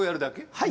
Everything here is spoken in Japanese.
はい。